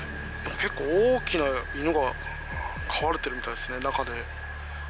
結構大きな犬が飼われてるみたいですね、中で。